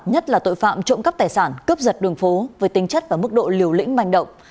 nhất là tội phạm trộm cắp tài sản cướp giật đường phố với tinh chất và mức độ liều lĩnh manh động